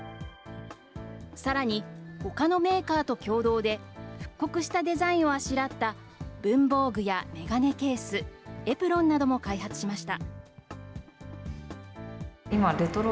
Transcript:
さらに、ほかのメーカーと共同で、復刻したデザインをあしらった文房具や眼鏡ケース、エプロンなども開発しました。